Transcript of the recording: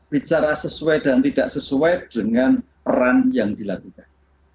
bicara sesuai dan tidak sesuai dengan peran yang dilakukan